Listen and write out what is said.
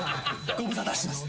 ご無沙汰してます」